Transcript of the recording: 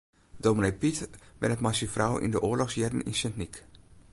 Dominee Pyt wennet mei syn frou yn de oarlochsjierren yn Sint Nyk.